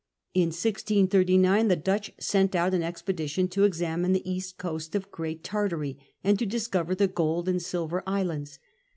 In 1639 the Dutch sent out an expedition to examine the east coast of Great Tartary and to discover the Gold and Silver Islands.